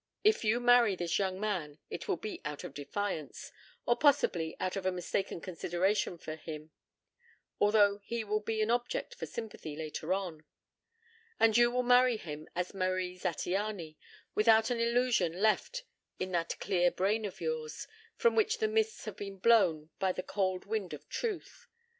If you marry this young man it will be out of defiance, or possibly out of a mistaken consideration for him although he will be an object for sympathy later on. And you will marry him as Marie Zattiany, without an illusion left in that clear brain of yours from which the mists have been blown by the cold wind of truth.